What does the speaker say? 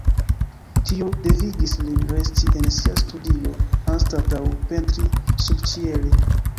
Tio devigis lin resti en sia studio anstataŭ pentri subĉiele.